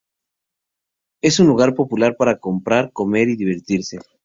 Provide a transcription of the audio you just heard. Es un lugar popular para comprar, comer y divertirse.